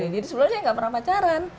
jadi sebelumnya gak pernah pacaran